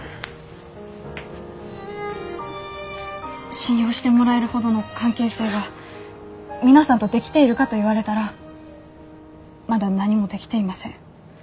信用してもらえるほどの関係性が皆さんと出来ているかと言われたらまだ何も出来ていません。